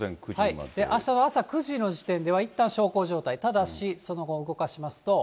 あしたの朝９時の時点ではいったん小康状態、ただしその後、動かしますと。